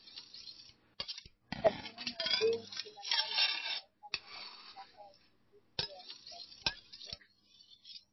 tathmini ya bei kila mwezi inayofanywa na Mamlaka ya Udhibiti wa Nishati na Petroli